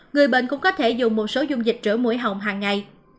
người bệnh cũng có thể dùng một số dung dịch rửa mũi hỏng hàng ngày